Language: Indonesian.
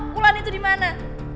mulan itu dimana